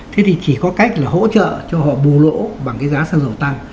thế thì chỉ có cách là hỗ trợ cho họ bù lỗ bằng cái giá xã hội tăng